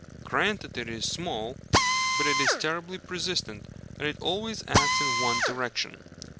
Granted it is small, but it is terribly persistent; and it always acts in one direction.